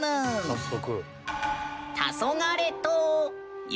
早速。